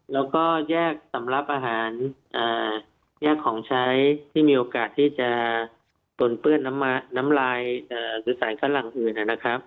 แล้วก็แยกสำหรับอาหารแยกของใช้ที่มีโอกาสจะโดนเปื้อนน้ำลายขั้นหลังอื่น